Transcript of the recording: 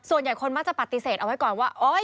ส่วนใหญ่คนมักจะปฏิเสธเอาไว้ก่อนว่า